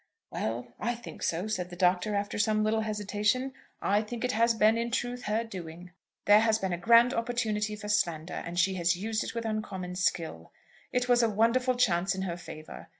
"Well, I think so," said the Doctor, after some little hesitation. "I think it has been, in truth, her doing. There has been a grand opportunity for slander, and she has used it with uncommon skill. It was a wonderful chance in her favour.